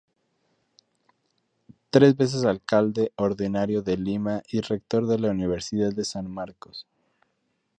Tres veces alcalde ordinario de Lima y rector de la Universidad de San Marcos.